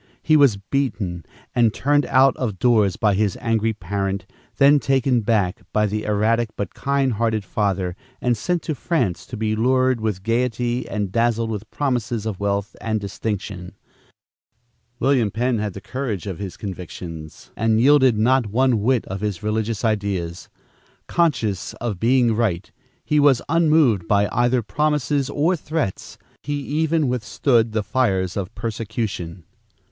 He was beaten and turned out of doors by his angry parent, then taken back by the erratic but kind hearted father and sent to France to be lured with gayety and dazzled with promises of wealth and distinction; but William Penn had the courage of his convictions and yielded not one whit of his religious ideas. Conscious of being right, he was unmoved by either promises or threats, and he even withstood the fires of persecution.